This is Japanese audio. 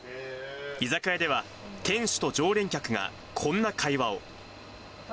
居酒屋では、店主と常連客がこんな会話を。